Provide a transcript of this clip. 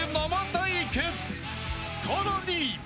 ［さらに］